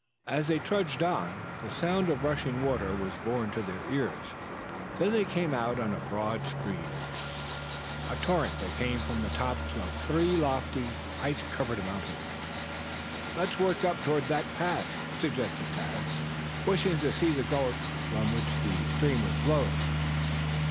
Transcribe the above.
As they trudged on the sound of rushing water was borne to their ears. Then they came out on a broad stream, a torrent that came from the top of three lofty, ice covered mountains. "Let's work up toward that pass," suggested Tad, wishing to see the gulch from which the stream was flowing.